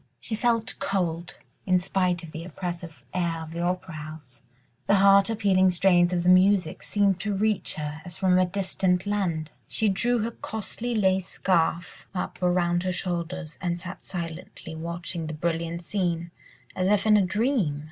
She felt cold in spite of the oppressive air of the opera house. The heart appealing strains of the music seemed to reach her, as from a distant land. She drew her costly lace scarf up around her shoulders, and sat silently watching the brilliant scene, as if in a dream.